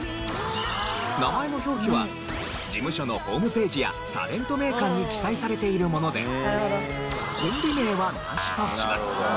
名前の表記は事務所のホームページや『タレント名鑑』に記載されているものでコンビ名はなしとします。